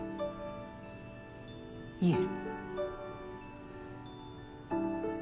いえ。